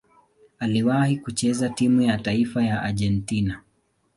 Aliwahi kucheza timu ya taifa ya Argentina.